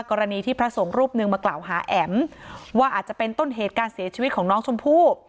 กรณีที่พระสงฆ์รูปหนึ่งมากล่าวหาแอ๋มว่าอาจจะเป็นต้นเหตุการเสียชีวิตของน้องชมพู่